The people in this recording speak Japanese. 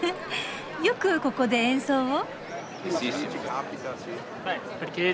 よくここで演奏を？